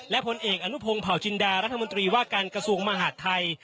และผลเอกอนุพงศ์เผาจินดารัฐมนตรีว่าการกระทรวงมหาดไทย